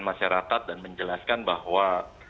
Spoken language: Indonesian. masyarakat dan menjelaskan bahwa